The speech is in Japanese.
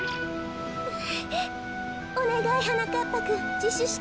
おねがいはなかっぱくんじしゅして。